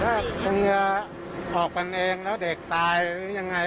ถ้าคุณจะออกกันเองแล้วเด็กตายหรือยังไง